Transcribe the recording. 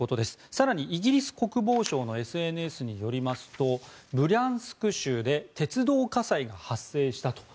更にイギリス国防省のＳＮＳによりますとブリャンスク州で鉄道火災が発生したと。